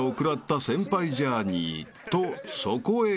［とそこへ］